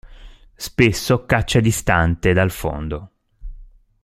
Spesso caccia distante dal fondo.